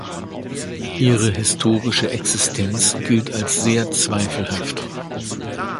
Ihre historische Existenz gilt als sehr zweifelhaft.